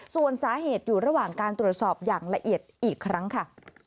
ส่วนสาเหตุอยู่ระหว่างการตรวจสอบอย่างละเอียดอีกครั้งค่ะ